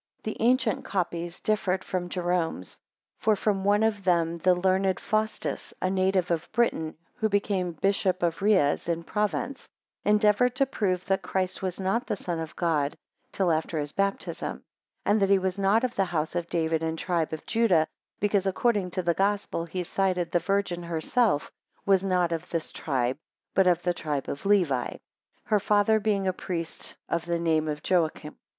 The ancient copies differed from Jerome's, for from one of them the learned Faustus, a native of Britain, who became Bishop of Riez, in Provence, endeavoured to prove that Christ was not the Son of God till after his baptism; and that he was not of the house of David and tribe of Judah, because, according to the Gospel he cited, the Virgin herself was not of this tribe, but of the tribe of Levi; her father being a priest of the name of Joachim.